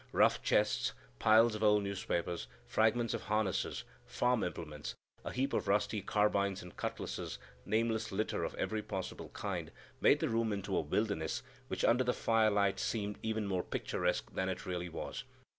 Rough chests, piles of old newspapers, fragments of harnesses, farm implements, a heap of rusty carbines and cutlasses, nameless litter of every possible kind, made the room into a wilderness which under the firelight seemed even more picturesque than it really was.